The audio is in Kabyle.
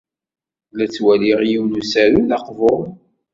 La ttwaliɣ yiwen n usaru d aqbur.